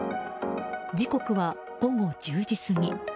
時刻は午後１０時過ぎ。